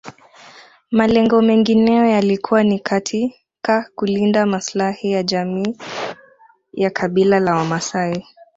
Malengo mengineyo yalikuwa ni katika kulinda maslahi ya jamii ya kabila la Wamaasai